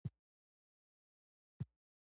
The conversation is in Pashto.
لاړې د خوړو په هضم کې مرسته کوي